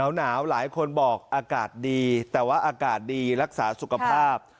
หลายคนบอกอากาศดีแต่ว่าอากาศดีรักษาสุขภาพ